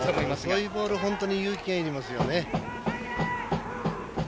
遅いボール、本当に勇気がいりますよね。